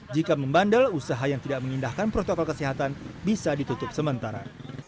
jika membandel usaha yang tidak mengindahkan protokol kesehatan bisa ditutup sementara